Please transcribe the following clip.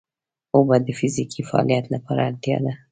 اوبه د فزیکي فعالیت لپاره اړتیا ده